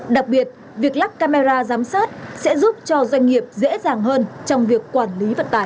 đặc biệt việc lắp camera giám sát sẽ giúp cho doanh nghiệp dễ dàng hơn trong việc quản lý vận tải